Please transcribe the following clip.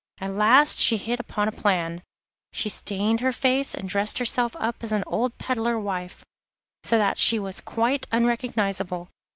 At last she hit upon a plan. She stained her face and dressed herself up as an old peddler wife, so that she was quite unrecognisable.